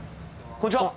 こんにちは